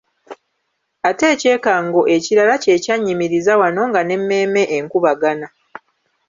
Ate ekyekango ekirala kye kyannyimiriza wano nga n'emmeeme enkubagana.